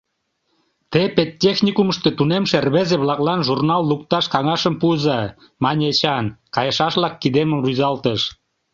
— Те педтехникумышто тунемше рвезе-влаклан журнал лукташ каҥашым пуыза, — мане Эчан, кайышашлак кидемым рӱзалтыш.